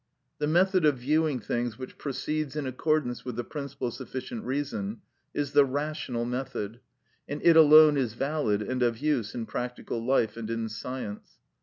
The method of viewing things which proceeds in accordance with the principle of sufficient reason is the rational method, and it alone is valid and of use in practical life and in science.